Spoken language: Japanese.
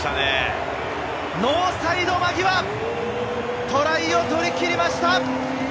ノーサイド間際、トライを取り切りました！